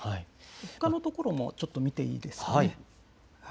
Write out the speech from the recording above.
ほかの所もちょっと見ていいですか。